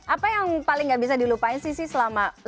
apa yang paling gak bisa dilupain sisi selama ini